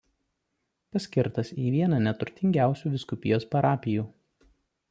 Paskirtas į vieną neturtingiausių vyskupijos parapijų.